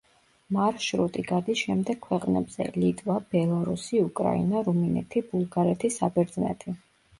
მარშრუტი გადის შემდეგ ქვეყნებზე: ლიტვა, ბელარუსი, უკრაინა, რუმინეთი, ბულგარეთი, საბერძნეთი.